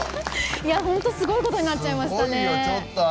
本当、すごいことになっちゃいましたね。